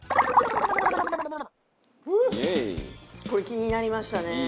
これ気になりましたね。